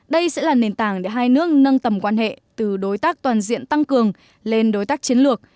đây sẽ là nền tảng để hai nước nâng tầm quan hệ từ đối tác toàn diện tăng cường lên đối tác chiến lược